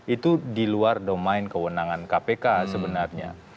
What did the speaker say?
itu di luar domain kewenangan kpk sebenarnya